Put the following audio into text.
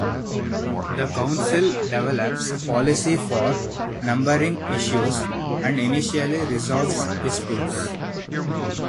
The council develops policy for numbering issues and initially resolves disputes.